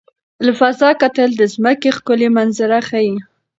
له فضا کتل د ځمکې ښکلي منظره ښيي.